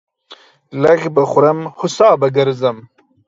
لږ به خورم ، هو سا به گرځم.